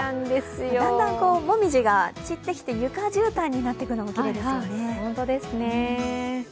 だんだん、紅葉が散ってきて、床絨毯になっていくのもきれいですよね。